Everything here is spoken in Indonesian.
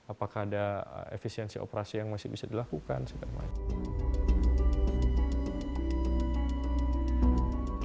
apakah ada efisiensi operasi yang masih bisa dilakukan sampai